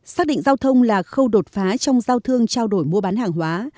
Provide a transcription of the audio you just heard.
xác định giao thông là khâu đột phá trong giao thương trao đổi mua bán hàng hóa